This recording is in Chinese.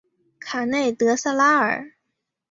卡内德萨拉尔。